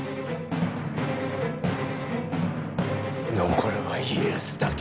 残るは家康だけ。